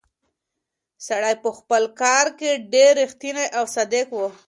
سړی په خپل کار کې ډېر ریښتونی او صادق و.